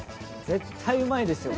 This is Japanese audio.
絶対うまいですよ。